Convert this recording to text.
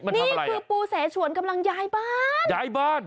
นี่คือปูเสฉวนกำลังย้ายบ้าน